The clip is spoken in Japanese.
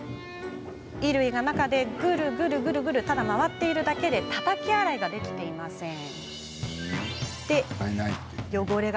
衣類が中でぐるぐる回っているだけでたたき洗いができていません。